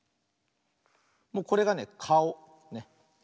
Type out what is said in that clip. もうこれがねかお。